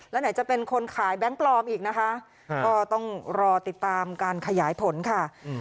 แล้วไหนจะเป็นคนขายแบงค์ปลอมอีกนะคะก็ต้องรอติดตามการขยายผลค่ะ